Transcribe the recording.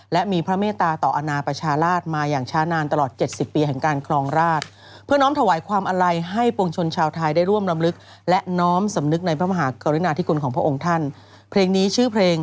และมีพระเมตตาต่ออาหนาประชาราชมาอย่างช้านานตลอดเจ็ดสิบปีก็ของของของราช